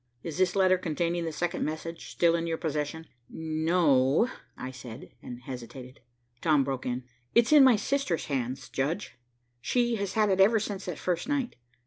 Is this letter containing the second message still in your possession?" "No," I said, and hesitated. Tom broke in. "It's in my sister's hands, judge. She has had it ever since that first night.